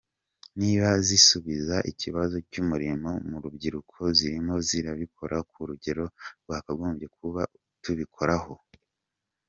Niba zisubiza ikibazo cy’umurimo mu rubyiruko, zirimo zirabikora ku rugero twakagombye kuba tubikoraho ?